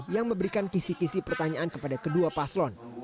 yang memberikan kisi kisi pertanyaan kepada kedua paslon